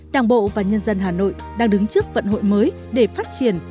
đảng bộ và nhân dân hà nội đang đứng trước vận hội mới để phát triển